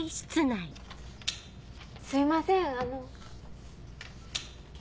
すいませんあの。